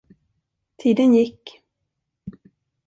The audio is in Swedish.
Tiden gick.